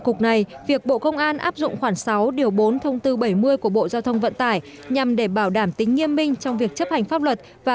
quy định của khoảng sáu điều bốn thông tư bảy mươi của bộ giao thông vận tải chưa rõ ràng và chặt chẽ